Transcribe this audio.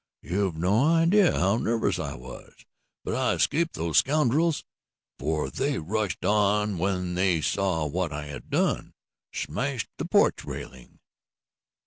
You've no idea how nervous I was. But I escaped those scoundrels, for they rushed on when they saw what I had done smashed the porch railing."